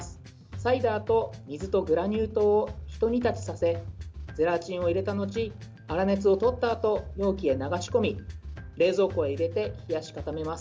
サイダーと水とグラニュー糖をひと煮立ちさせゼラチンを入れた後粗熱をとったあと容器へ流し込み冷蔵庫へ入れて冷やし固めます。